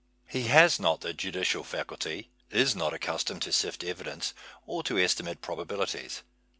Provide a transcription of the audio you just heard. He has not the judicial faculty, is not accustomed to sift evi dence or to estimate probabilities.